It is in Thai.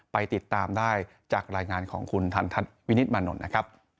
ไปติดตามได้จากรายงานของคุณทันทัศน์วินิตมานนท์นะครับ